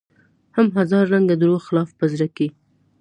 هم هزار رنګه دروغ خلاف په زړه کې